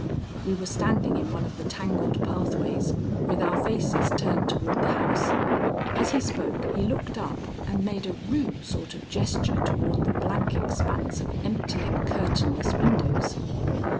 We were standing in one of the tangled pathways, with our faces turned toward the house. As he spoke, he looked up and made a rude sort of gesture toward the blank expanse of empty and curtainless windows.